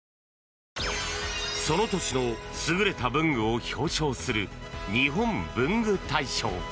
その年の優れた文具を表彰する日本文具大賞。